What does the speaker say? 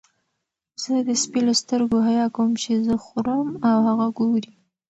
زه د سپي له سترګو حیا کوم چې زه خورم او هغه ګوري.